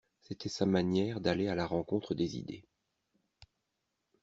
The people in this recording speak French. C'était sa manière d'aller à la rencontre des idées.